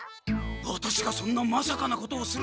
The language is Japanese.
ワタシがそんなまさかなことをすると思うか？